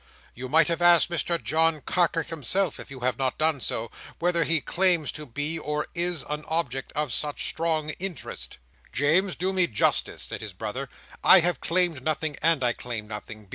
You might have asked Mr John Carker himself (if you have not done so) whether he claims to be, or is, an object of such strong interest." "James, do me justice," said his brother. "I have claimed nothing; and I claim nothing.